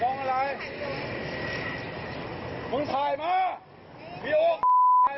โหโหตัวคนขับสารเป็นไก่